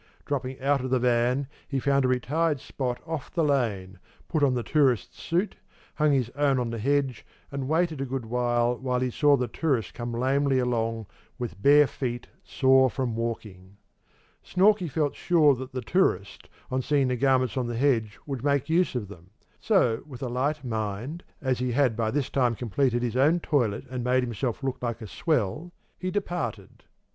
Dropping out of the van, he found a retired spot off the lane, put on the tourist's suit, hung his own on the hedge, and waited a good while till he saw the tourist come lamely along, with bare feet, sore from walking. Snorkey felt sure that the tourist, on seeing the garments on the hedge would make use of them; so, with a light mind, as he had by this time completed his own toilet and made himself look like a swell, he departed.